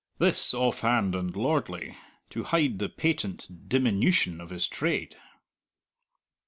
This offhand and lordly, to hide the patent diminution of his trade.